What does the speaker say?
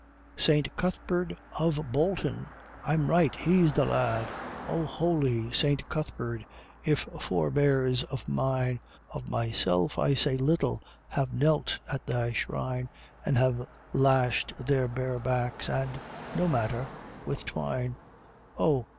St. Cuthbert of Bolton! I'm right he's the lad! O holy St. Cuthbert, if forbears of mine Of myself I say little have knelt at your shrine, And have lashed their bare backs, and no matter with twine, Oh!